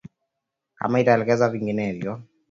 kama itaelekezwa vinginevyo